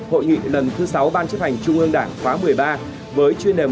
hội nghị lần thứ sáu ban chức hành trung ương đảng khóa một mươi ba với chuyên đề một